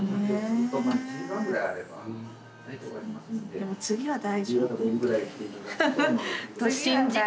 でも次は大丈夫よ。